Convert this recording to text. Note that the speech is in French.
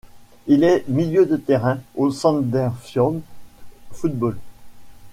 Il est milieu de terrain au Sandefjord Fotball.